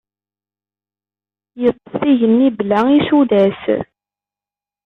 Yeṭṭef igenni bla isulas.